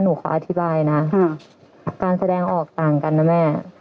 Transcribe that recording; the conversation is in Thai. ขออธิบายนะการแสดงออกต่างกันนะแม่